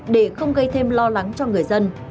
để không gây thêm lo lắng cho người dân